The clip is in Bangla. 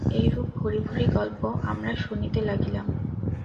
এইরূপ ভূরি ভূরি গল্প আমরা শুনিতে লাগিলাম।